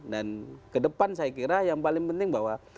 dan ke depan saya kira yang paling penting bahwa